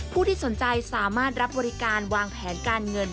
ผู้ที่สนใจสามารถรับบริการวางแผนการเงิน